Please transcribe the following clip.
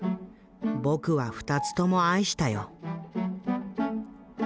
僕は２つとも愛したよ」。